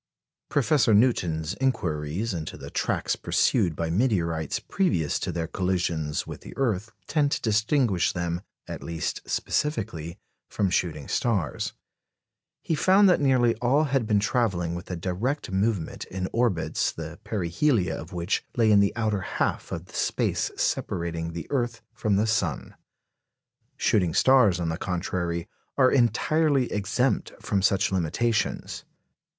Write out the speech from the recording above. Professor Newton's inquiries into the tracks pursued by meteorites previous to their collisions with the earth tend to distinguish them, at least specifically, from shooting stars. He found that nearly all had been travelling with a direct movement in orbits the perihelia of which lay in the outer half of the space separating the earth from the sun. Shooting stars, on the contrary, are entirely exempt from such limitations.